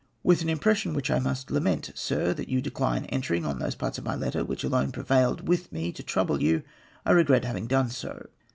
" With an impression which I must lament. Sir, that you decline entering on those parts of my letter which alone prevailed with me to trouble you, I regret having done so.